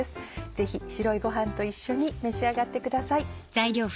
ぜひ白いご飯と一緒に召し上がってください。